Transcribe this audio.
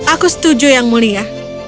aku setuju yang mulia